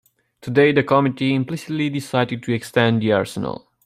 Today the committee implicitly decided to extend the arsenal.